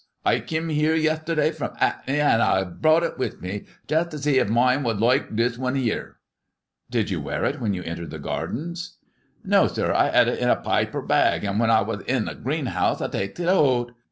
I kim 'ere yesterdaiy from 'Ackney, an' I browght it with me jest to see if moine was loike this 'un 'ere." " Did you wear it when you entered the Grardens 1 "No, sir, I 'ed it in a paiper beg, an' when I was in the green'ouse I takes it hout.